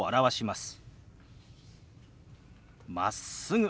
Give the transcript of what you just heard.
「まっすぐ」。